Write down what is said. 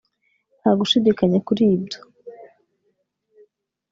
nta gushidikanya kuri byo